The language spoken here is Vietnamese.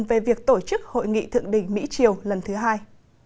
về việc tổ chức hội nghị thượng đỉnh mỹ triều lần thứ hai